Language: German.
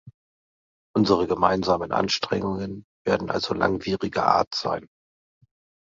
Unsere gemeinsamen Anstrengungen werden also langwieriger Art sein.